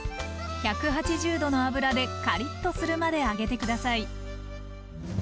１８０℃の油でカリッとするまで揚げて下さい。